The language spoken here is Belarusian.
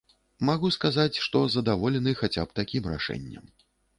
Магу сказаць, што задаволены хаця б такім рашэннем.